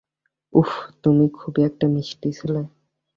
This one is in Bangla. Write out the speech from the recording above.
উফ, তুমি খুবই মিষ্টি একটা ছেলে।